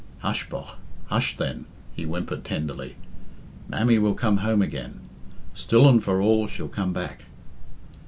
"Hush, bogh, hush, then," he whimpered tenderly. "Mammie will come home again. Still and for all she'll come back."